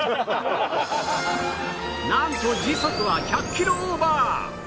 なんと時速は１００キロオーバー！